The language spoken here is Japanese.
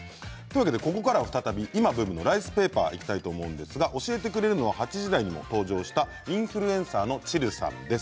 ここからは再び、今ブームのライスペーパーにいきたいと思うんですが教えてくれるのは８時台にも登場したインフルエンサーのチルさんです。